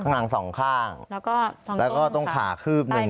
ทางหลังสองข้างแล้วก็แล้วก็ต้องขาคืบหนึ่ง